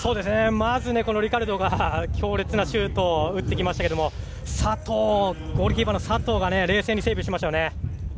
まず、リカルドが強烈なシュートを打ってきましたがキーパーの佐藤が冷静にセーブしましたね。